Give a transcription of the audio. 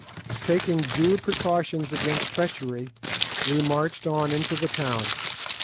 Taking due precautions against treachery, we marched on into the town.